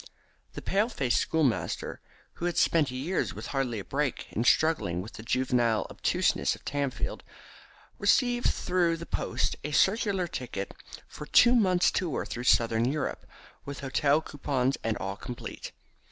The pale faced schoolmaster, who had spent years with hardly a break in struggling with the juvenile obtuseness of Tamfield, received through the post a circular ticket for a two months' tour through Southern Europe, with hotel coupons and all complete.